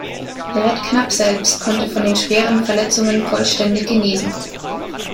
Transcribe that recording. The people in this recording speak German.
Redknapp selbst konnte von den schweren Verletzungen vollständig genesen.